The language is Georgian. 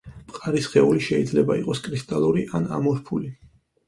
მყარი სხეული შეიძლება იყოს კრისტალური ან ამორფული.